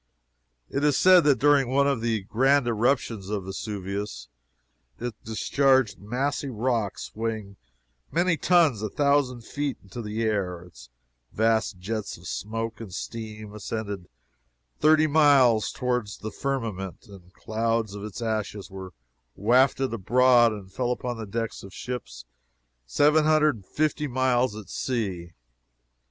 It is said that during one of the grand eruptions of Vesuvius it discharged massy rocks weighing many tons a thousand feet into the air, its vast jets of smoke and steam ascended thirty miles toward the firmament, and clouds of its ashes were wafted abroad and fell upon the decks of ships seven hundred and fifty miles at sea!